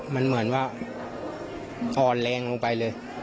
มันเหมือนว่าอ่อนแรงลงไปเลย